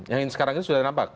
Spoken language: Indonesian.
yang sekarang itu sudah nampak